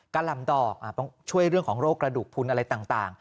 หล่ำดอกต้องช่วยเรื่องของโรคกระดูกพุนอะไรต่าง